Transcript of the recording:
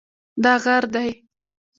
دا غر دی